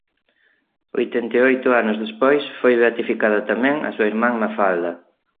Oitenta e oito anos despois foi beatificada tamén a súa irmá Mafalda.